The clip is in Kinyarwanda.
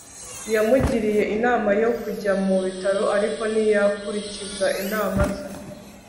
Yamugiriye inama yo kujya mu bitaro ariko ntiyakurikiza inama ze